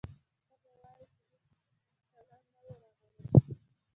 ته به وایې چې هېڅکله نه و راغلي.